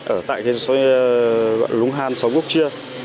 ở tại lũng hàn sáu quốc chia